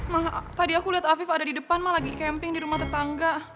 ma tadi aku liat afif ada di depan ma lagi camping di rumah tetangga